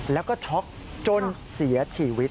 แล้วก็ช็อกจนเสียชีวิต